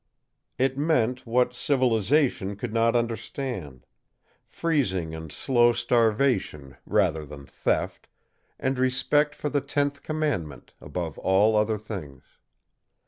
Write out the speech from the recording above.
It meant what civilization could not understand freezing and slow starvation rather than theft, and respect for the tenth commandment above all other things.